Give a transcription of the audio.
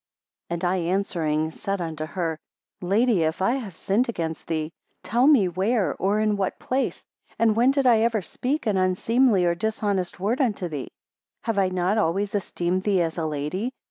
7 And I answering said unto her, Lady, if I have sinned against thee, tell me where, or in what place, or when did I ever speak an unseemly or dishonest word unto thee? 8 Have I not always esteemed thee as a lady?